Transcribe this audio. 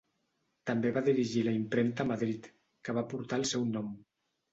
També va dirigir la impremta a Madrid que va portar el seu nom.